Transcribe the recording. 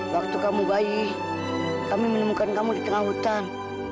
waktu kamu bayi kami menemukan kamu di tengah hutan